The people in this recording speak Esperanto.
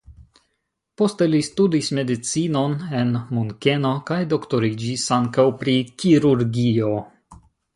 Poste li studis medicinon en Munkeno kaj doktoriĝis ankaŭ pri kirurgio.